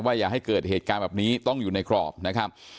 อย่าให้เกิดเหตุการณ์แบบนี้ต้องอยู่ในกรอบนะครับ